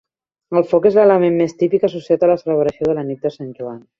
El foc és l'element més típic associat a la celebració de la nit de Sant Joan.